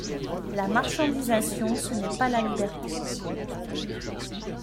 La marchandisation, ce n’est pas la liberté.